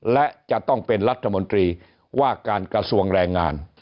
และจะต้องเป็นรัฐมนตรีว่าการกระทรวงแรงงาน